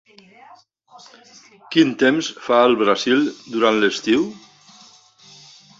Quin temps fa al Brasil durant l'estiu?